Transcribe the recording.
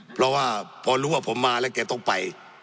เพราะว่าพอรู้ว่าผมมาแล้วแกต้องไป